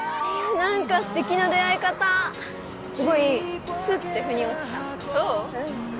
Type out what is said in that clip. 何かステキな出会い方すごいスッて腑に落ちたそう？